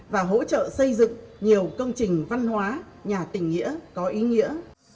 và hỗ trợ xây dựng nhiều công trình văn hóa nhà tình nghĩa có ý nghĩa